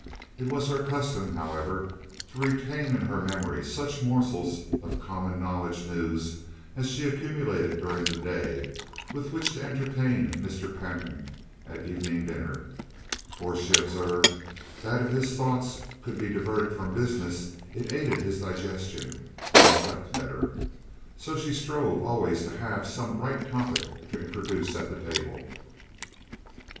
It was her custom, however, to retain in her memory such morsels of common knowledge news as she accumulated during the day with which to entertain Mr. Pantin at evening dinner, for she observed that if his thoughts could be diverted from business it aided his digestion and he slept better, so she strove always to have some bright topic to introduce at the table.